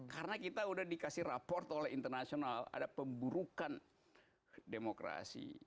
karena kita udah dikasih raport oleh internasional ada pemburukan demokrasi